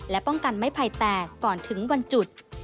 และป้องกันไม้ไผ่แตกก่อนถึงวันจุด